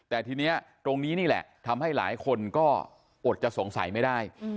แต่ทีนี้ตรงนี้นี่แหละทำให้หลายคนก็อดจะสงสัยไม่ได้